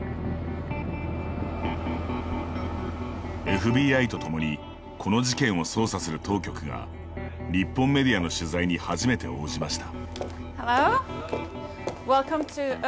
ＦＢＩと共にこの事件を捜査する当局が日本メディアの取材に初めて応じました。